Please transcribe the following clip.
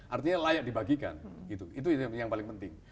artinya layak dibagikan gitu itu yang paling penting